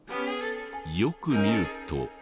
よく見ると。